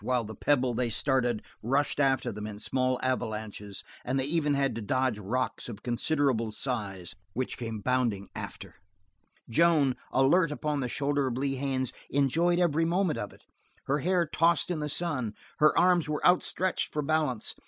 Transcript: While the pebble they started rushed after them in small avalanches, and they even had to dodge rocks of considerable size which came bounding after, Joan, alert upon the shoulder of Lee Haines, enjoyed every moment of it; her hair tossed in the sun, her arms were outstretched for balance.